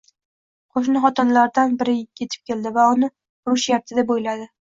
Qo'shni xotinlartsan biri yetib keldi va uni urishyapti deb o'yladi.